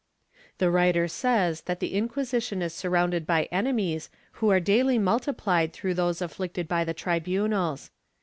The writer says that the Inquisition is surrounded by enemies who are daily multiplied through those afflicted by the tribunals.